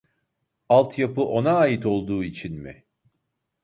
Alt yapı ona ait olduğu için mi?